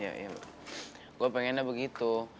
ya gue pengennya begitu